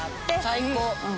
最高！